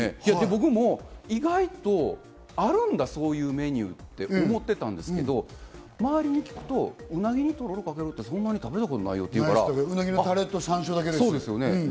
僕も意外とあるんだ、そういうメニューってって思ってたんですけど、周りに聞くと、うなぎにとろろをかけるって食べたことないよっていうかタレと山椒だけだよね。